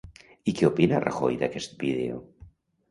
I què opina Rajoy d'aquest vídeo?